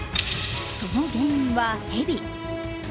その原因はへび。